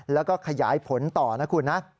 แล้วก็ขยายผลต่อนะคุณนะ